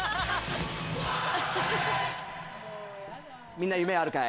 みんな夢あるかい？